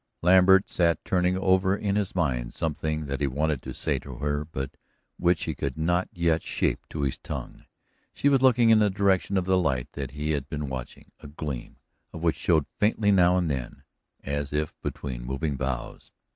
Lambert sat turning over in his mind something that he wanted to say to her, but which he could not yet shape to his tongue. She was looking in the direction of the light that he had been watching, a gleam of which showed faintly now and then, as if between moving boughs.